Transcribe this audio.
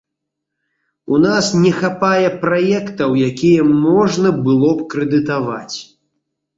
У нас не хапае праектаў, якія можна было б крэдытаваць.